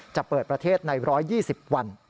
จะเปิดประเทศใน๑๒๐วัน